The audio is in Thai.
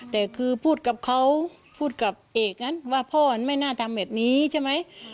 แต่คือพูดกับเขาพูดกับเอกนั้นว่าพ่อไม่น่าทำแบบนี้ใช่ไหม